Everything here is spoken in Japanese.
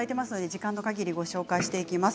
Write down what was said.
時間のかぎりご紹介していきます。